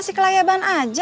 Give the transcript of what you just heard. tak pak kemet